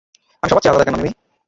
আমি সবার চেয়ে আলাদা কেন, মিমি?